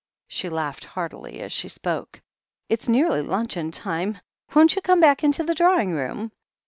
She laughed heartily as she spoke. "It's nearly luncheon time. Won't you come back into the drawing room?"